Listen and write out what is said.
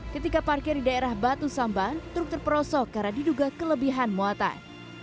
ketika parkir di daerah batu samban truk terperosok karena diduga kelebihan muatan